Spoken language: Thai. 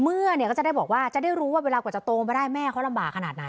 เนี่ยก็จะได้บอกว่าจะได้รู้ว่าเวลากว่าจะโตมาได้แม่เขาลำบากขนาดไหน